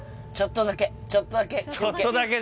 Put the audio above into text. ちょっとだけ。